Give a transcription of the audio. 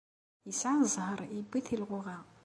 Yesεa ẓẓher yewwi tilɣuɣa.